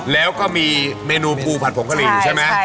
แล้วก็มีเมนูปูผัดผงกะหรี่อยู่ใช่ไหม